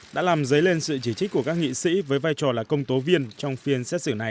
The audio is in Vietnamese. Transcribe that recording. đã làm dấy lên sự chỉ trích của các nghị sĩ với vai trò là công tố viên trong phiên xét xử này